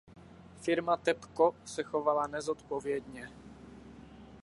Firma Tepco se chovala nezodpovědně.